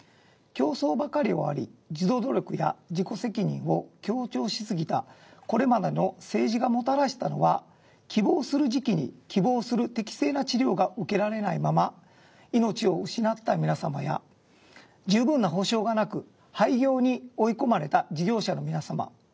競争ばかりをあおり自助努力や自己責任を強調しすぎたこれまでの政治がもたらしたのは希望する時期に希望する適正な治療が受けられないまま命を失った皆様や十分な補償がなく廃業に追い込まれた事業者の皆様